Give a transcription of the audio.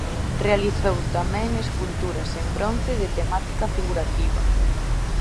Realizou tamén esculturas en bronce de temática figurativa.